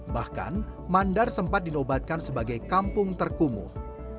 bahkan mandar sempat dinobatkan sebagai kampung terkumuh